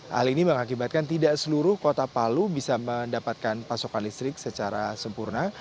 hal ini mengakibatkan tidak seluruh kota palu bisa mendapatkan pasokan listrik secara sempurna